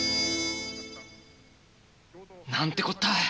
なんてこったい！